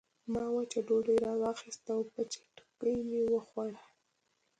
ما وچه ډوډۍ راواخیسته او په چټکۍ مې وخوړه